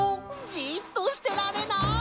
「じっとしてられない！」